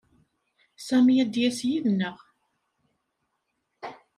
Sami ad d-yas yid-neɣ.